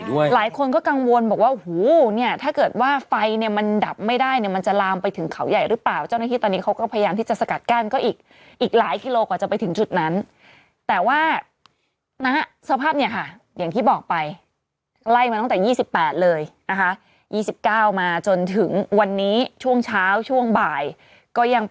หลายคนก็กังวลบอกว่าโอ้โหเนี่ยถ้าเกิดว่าไฟเนี่ยมันดับไม่ได้เนี่ยมันจะลามไปถึงเขาใหญ่หรือเปล่าเจ้าหน้าที่ตอนนี้เขาก็พยายามที่จะสกัดกั้นก็อีกอีกหลายกิโลกว่าจะไปถึงจุดนั้นแต่ว่าณสภาพเนี่ยค่ะอย่างที่บอกไปไล่มาตั้งแต่๒๘เลยนะคะ๒๙มาจนถึงวันนี้ช่วงเช้าช่วงบ่ายก็ยัง